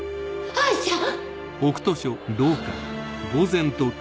藍ちゃん！